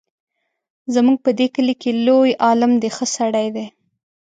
زموږ په دې کلي کې لوی عالم دی ښه سړی دی.